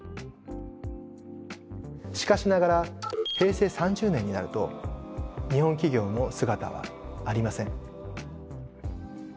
しかしながら平成３０年になると日本企業の姿はありません。